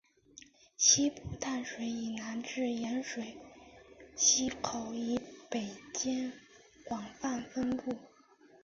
西部淡水以南至盐水溪口以北间广泛分布。